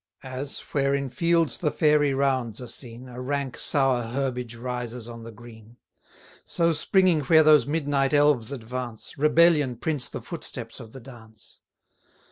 As, where in fields the fairy rounds are seen, A rank, sour herbage rises on the green; So, springing where those midnight elves advance, Rebellion prints the footsteps of the dance.